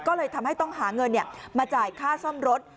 ก็เลยทำให้ต้องหาเงินมาจ่ายค่าซ่อมรถ